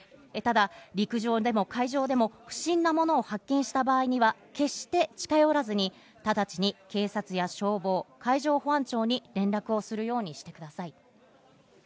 ただ陸上でも海上でも不審なものを発見した場合には決して近寄らずに直ちに警察や消防、海上保安庁に連絡をするようにしてください。